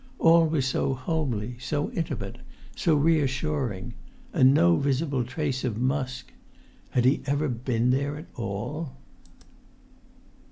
All was so homely, so intimate, so reassuring; and no visible trace of Musk! Had he ever been there at all?